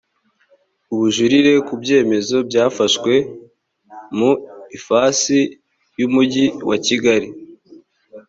ubujurire ku byemezo byafashwe mu ifasi y umujyi wakigali